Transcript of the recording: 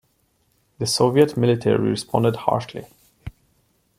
The Soviet military responded harshly.